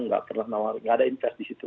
tidak pernah menawarkan investasi di situ